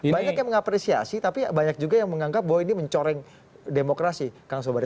banyak yang mengapresiasi tapi banyak juga yang menganggap bahwa ini mencoreng demokrasi kang sobari